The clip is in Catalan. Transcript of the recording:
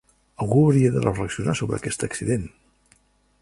Algú hauria de reflexionar sobre aquest accident.